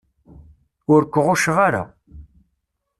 Ur k-ɣucceɣ ara.